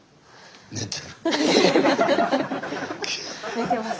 寝てます。